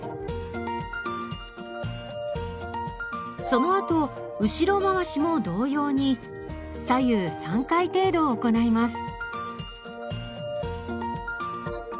そのあと後ろ回しも同様に左右３回程度行います。